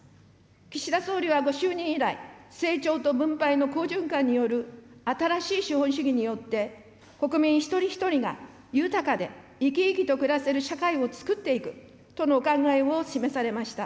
岸田総理はご就任以来、成長と分配の好循環による新しい資本主義によって、国民一人一人が豊かで生き生きと暮らせる社会をつくっていくとのお考えを示されました。